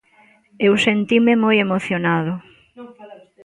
Eu sentinme moi emocionado.